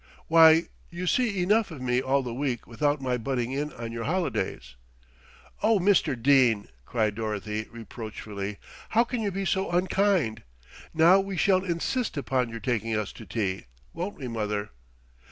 "Why, you see enough of me all the week without my butting in on your holidays." "Oh, Mr. Dene!" cried Dorothy reproachfully, "how can you be so unkind? Now we shall insist upon your taking us to tea, won't we, mother?"